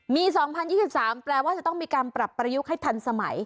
มี๒๐๒๓แปลว่าจะต้องมีการปรับประยุกต์ให้ทันสมัย